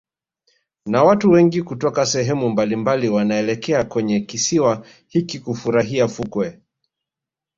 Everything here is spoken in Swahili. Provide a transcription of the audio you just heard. Na watu wengi kutoka sehemu mbalimbali wanaelekea kwenye kisiwa hiki hufurahia fukwe